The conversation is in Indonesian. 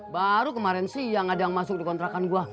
baru kemarin siang ada yang masuk di kontrakan gue